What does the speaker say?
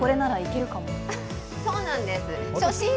そうなんです。